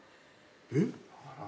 えっ？